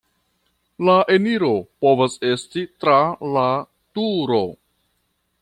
La eniro povas esti tra la turo.